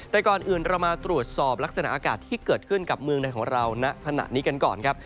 แต่ก่อนอื่นเรามาตรวจสอบลักษณะอากาศที่เกิดขึ้นกับเมืองในของเราณขณะนี้กันก่อนครับ